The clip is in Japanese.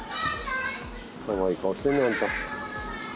かわいい顔してるね、あんた。